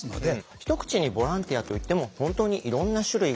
一口にボランティアと言っても本当にいろんな種類があるんですね。